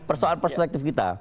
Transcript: persoalan perspektif kita